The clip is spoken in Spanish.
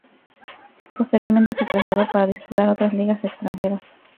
Posteriormente se trasladó para disputar otras ligas extranjeras.